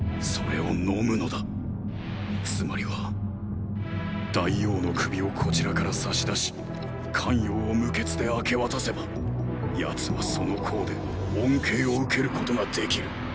つまりはーー大王の首をこちらから差し出し咸陽を無血で明け渡せば奴はその功で恩恵を受けることができる。